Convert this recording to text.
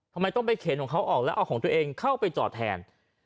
ทำไมต้องไปเข็นของเขาออกแล้วเอาของตัวเองเข้าไปจอดแทน